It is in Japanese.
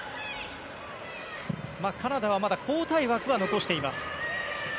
カナダはまだ交代枠は残しています。